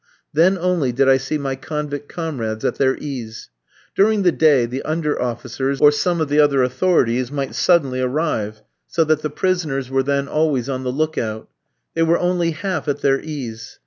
Then only did I see my convict comrades at their ease. During the day the under officers, or some of the other authorities, might suddenly arrive, so that the prisoners were then always on the look out. They were only half at their ease.